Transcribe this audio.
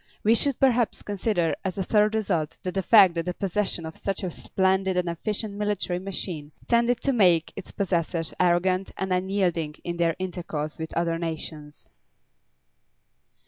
We should perhaps consider as a third result the fact that the possession of such a splendid and efficient military machine tended to make its possessors arrogant and unyielding in their intercourse with other nations.